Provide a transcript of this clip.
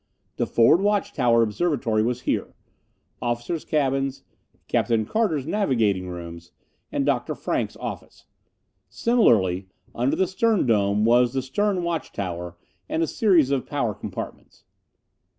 The forward watch tower observatory was here; officers' cabins; Captain Carter's navigating rooms and Dr. Frank's office. Similarly, under the stern dome, was the stern watch tower and a series of power compartments.